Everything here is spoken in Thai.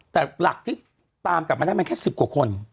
แต่หลักที่ตามกลับมาได้มันแค่๑๐กว่าคน